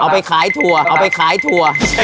ไปขายถั่วเอาไปขายถั่ว